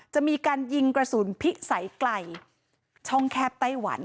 จะมีการยิงกระสุนพิสัยไกลช่องแคบไต้หวัน